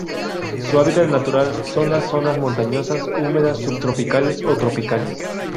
Su hábitat natural son las zonas montañosas húmedas subtropicales o tropicales.